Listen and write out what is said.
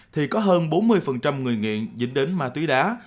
thì có hơn bốn mươi người nghiện dính đến ma túy đá